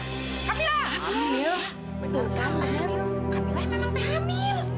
kamilah memang tak hamil